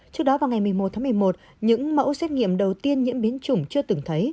trước đó vào ngày một mươi một tháng một mươi một những mẫu xét nghiệm đầu tiên nhiễm biến chủng chưa từng thấy